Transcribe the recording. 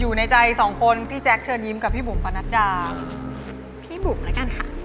อยู่ในใจสองคนพี่แจ๊คเชิญยิ้มกับพี่บุ๋มปะนัดดาพี่บุ๋มแล้วกันค่ะ